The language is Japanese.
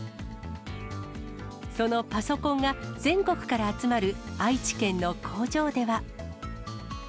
そのパソコンが全国から集まる愛知県の工場では。